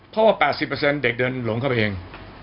เพราะว่า๘๐เด็กเดินหลงเข้าไปเอง